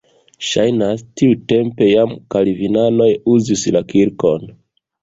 Ŝajnas, tiutempe jam kalvinanoj uzis la kirkon.